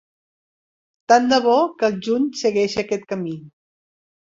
Tant de bo que el juny segueixi aquest camí!